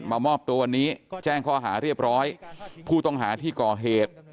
มามอบตัววันนี้แจ้งข้อหาเรียบร้อยผู้ต้องหาที่ก่อเหตุ